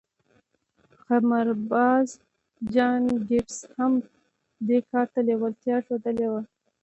قمارباز جان ګيټس هم دې کار ته لېوالتيا ښوولې وه.